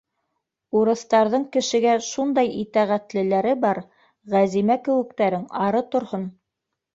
Урыҫтарҙың кешегә шундай итәғәтлеләре бар, Ғәзимә кәүектәрең ары торһон.